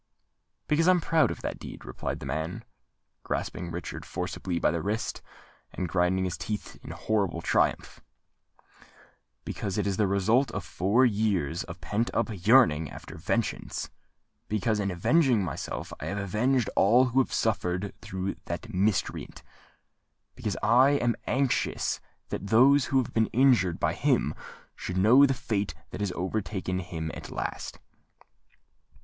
"Because I am proud of that deed," replied the man, grasping Richard forcibly by the wrist, and grinding his teeth in horrible triumph;—"because it is the result of four years of pent up yearning after vengeance;—because, in avenging myself, I have avenged all who have suffered through that miscreant;—because I am anxious that those who have been injured by him should know the fate that has overtaken him at last."